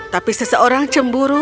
tapi seseorang cemburu